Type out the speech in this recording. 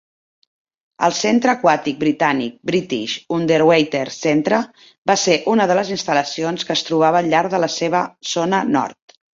El centre aquàtic britànic British Underwater Centre va ser una de les instal·lacions que es trobava al llarg de la seva zona nord.